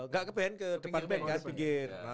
gak ke band ke depan band kan pinggir